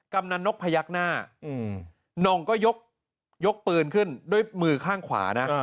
กำลังนกพยักหน้านองก็ยกปืนขึ้นด้วยมือข้างขวานะ